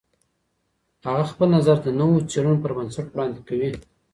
هغه خپل نظر د نوو څېړنو پر بنسټ وړاندې کوي.